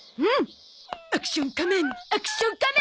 アクション仮面アクション仮面。